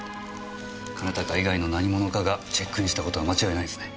兼高以外の何者かがチェックインした事は間違いないですね。